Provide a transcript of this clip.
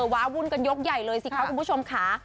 ว้าวุ่นกันยกใหญ่เลยสิคะคุณผู้ชมค่ะ